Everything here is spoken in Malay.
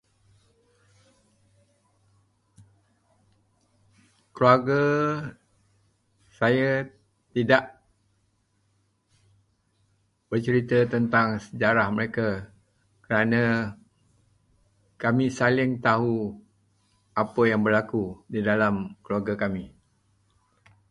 Keluarga saya tidak bercerita tentang sejarah mereka kerana kami saling tahu apa yang berlaku di dalam keluarga kami.